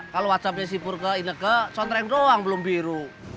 kalau whatsappnya sipur ke ineke conreng doang belum bilang